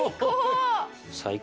最高！